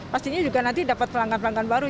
pastinya juga nanti dapat pelanggan pelanggan baru